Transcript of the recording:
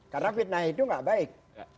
karena fitnah itu gak baik